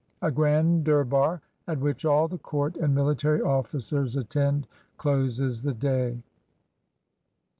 A grand durbar, at which all the court and military officers attend, closes the day.